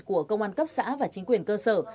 của công an cấp xã và chính quyền cơ sở